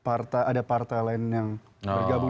partai ada partai lain yang bergabung